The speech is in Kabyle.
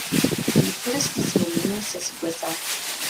Yefres tizemmrin-is aseggas-a.